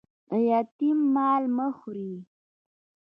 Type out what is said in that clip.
د یتيم مال مه خوري